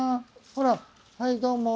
ほらはいどうも。